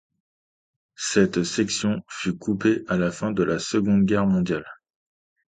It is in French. Cette section fut coupée à la fin de la Seconde Guerre mondiale.